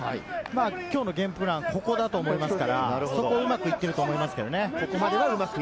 きょうのゲームプランはここだと思いますから、うまくいっていると思います。